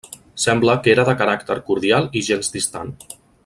Sembla que era de caràcter cordial i gens distant.